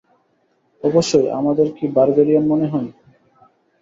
অবশ্যই, আমাদের কি বারবেরিয়ান মনে হয়?